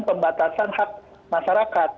pembatasan hak masyarakat